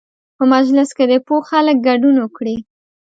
په مجلس کې دې پوه خلک ګډون وکړي.